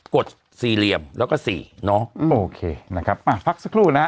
กดสี่เหลี่ยมแล้วก็สี่เนอะโอเคนะครับอ่ะพักสักครู่นะฮะ